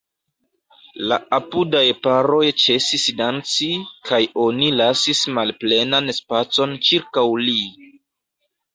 La apudaj paroj ĉesis danci, kaj oni lasis malplenan spacon ĉirkaŭ li.